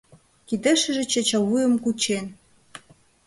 Кидешыже чачавуйым кучен.